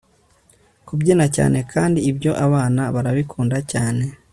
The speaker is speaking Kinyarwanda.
kubyina cyane. kandi ibyo abana barabikunda cyane